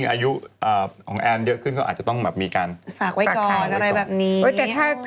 อายุของแอนเดี่ยวขึ้นเขาอาจจะต้องมีการฝากไว้ก่อน